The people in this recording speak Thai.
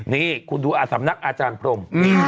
นี่คุณดูสำนักอาจารย์พรม